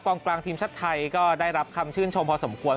คนกลางก็ได้รับคำชื่นชมพอสมควร